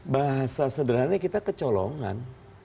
bahasa sederhananya kita kecolongan